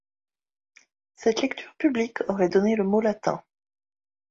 Cette lecture publique aurait donné le mot en latin.